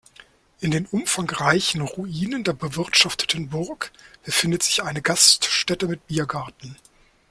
In den umfangreichen Ruinen der bewirtschafteten Burg befindet sich eine Gaststätte mit Biergarten.